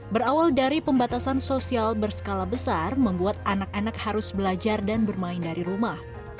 berawal dari pembatasan sosial berskala besar membuat anak anak harus belajar dan bermain dari rumah